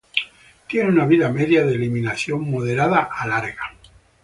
Tiene una vida media de eliminación moderada a larga.